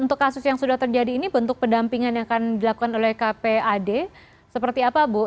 untuk kasus yang sudah terjadi ini bentuk pendampingan yang akan dilakukan oleh kpad seperti apa bu